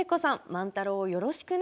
万太郎をよろしくね。